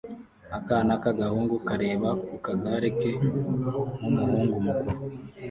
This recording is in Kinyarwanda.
Akana k'agahungu kareba ku kagare ke nkumuhungu mukuru